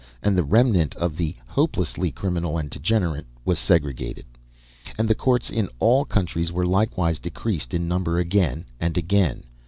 And the remnant of the hopelessly criminal and degenerate was segregated. And the courts in all countries were likewise decreased in number again and again.